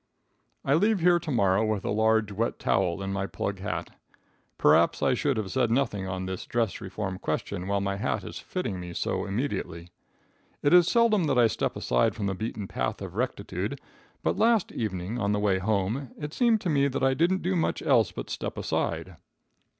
I leave here to morrow with a large, wet towel in my plug hat. Perhaps I should have said nothing on this dress reform question while my hat is fitting me so immediately. It is seldom that I step aside from the beaten path of rectitude, but last evening, on the way home, it seemed to me that I didn't do much else but step aside.